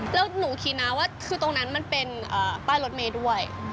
แล้วหนูคิดนะว่าคือตรงนั้นมันเป็นป้ายรถเมย์ด้วย